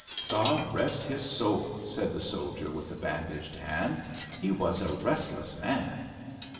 "God rest his soul!" said the soldier with the bandaged hand. "He was a restless man."